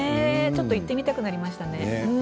ちょっと行ってみたくなりましたね。